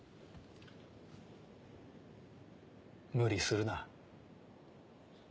無理するな。